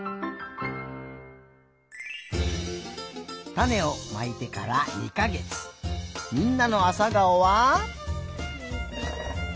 たねをまいてからみんなのあさがおは。